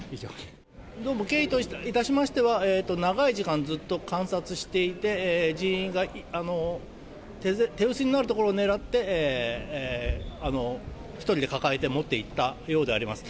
経緯といたしましては、長い時間、ずっと観察していて、人員が手薄になるところを狙って、１人で抱えて持っていったようであります。